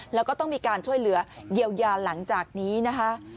แล้วก็ต้องมีการช่วยเหลือเยียวยาหลังจากนี้นะคะ